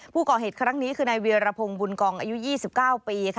ผู้ก่อเหตุครั้งนี้คือนายเวียรพงศ์บุญกองอายุ๒๙ปี